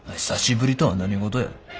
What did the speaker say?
久しぶりとは何事や。